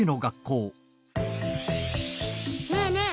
ねえねえ！